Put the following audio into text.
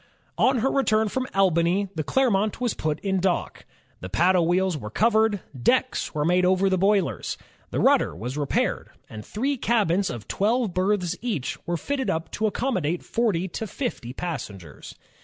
On her return from Albany, the Clermont was put in dock. The paddle wheels were covered, decks were made over the boilers, the rudder was repaired, and three cabins of twelve berths each were fitted up to accommodate forty to fifty passengers.